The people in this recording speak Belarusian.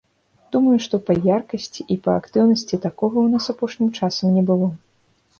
Думаю, што па яркасці і па актыўнасці такога ў нас апошнім часам не было.